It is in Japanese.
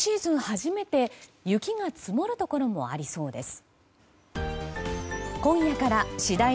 初めて雪が積もるところもありそうです。